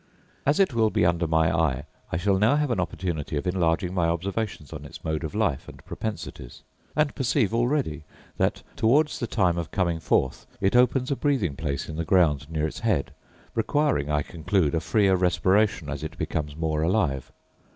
As it will be under my eye, I shall now have an opportunity of enlarging my observations on its mode of life, and propensities; and perceive already that, towards the time of coming forth, it opens a breathing place in the ground near its head, requiring, I conclude, a freer respiration, as it becomes more alive.